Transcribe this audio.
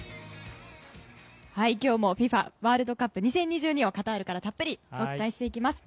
今日もＦＩＦＡワールドカップ２０２２を、カタールからたっぷりお伝えしていきます。